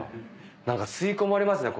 何か吸い込まれますね